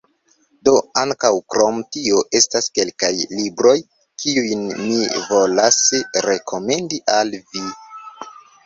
Do, ankaŭ, krom tio, estas kelkaj libroj, kiujn mi volas rekomendi al vi: